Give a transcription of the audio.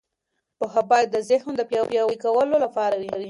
پوهه باید د ذهن د پیاوړي کولو لپاره وي.